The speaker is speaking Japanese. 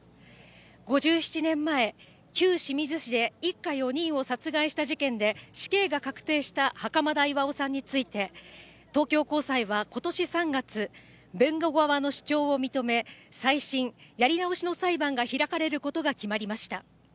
５７年前、旧清水市で一家４人を殺害した事件で死刑が確定した袴田巌さんについて、東京高裁はことし３月、弁護側の主張を認め、再審＝やり直しの裁判が開かれることが決まりました。